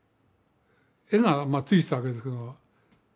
絵が付いてたわけですけど。